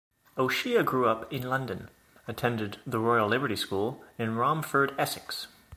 O'Shea grew up in London, attended the Royal Liberty School, in Romford, Essex.